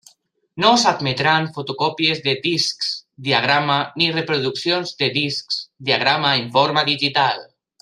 No s'admetran fotocòpies de discs- diagrama ni reproduccions de discs diagrama en format digital.